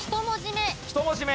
１文字目。